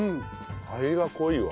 味が濃いわ。